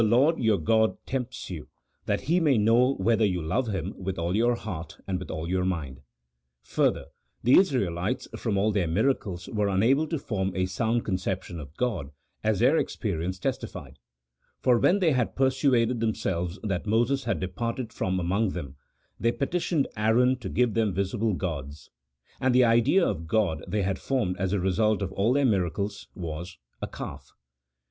Lord your God tempts you, that He may know whether you love Him with all your heart and with all your mind." Further, the Israelites, from all their miracles, were un able to form a sound conception of God, as their experience testified: for when they had persuaded themselves that Moses had departed from among them, they petitioned Aaron to give them visible gods ; and the idea of God they had formed as the result of all their miracles was — a calf